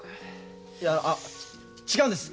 いやあ違うんです。